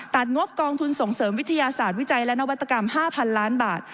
งบกองทุนส่งเสริมวิทยาศาสตร์วิจัยและนวัตกรรม๕๐๐๐ล้านบาท